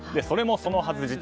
それもそのはず。